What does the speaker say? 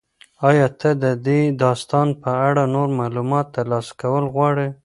ایا ته د دې داستان په اړه نور معلومات ترلاسه کول غواړې؟